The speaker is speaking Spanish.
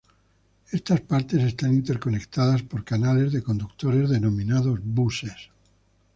Estas partes están interconectadas por canales de conductores denominados buses.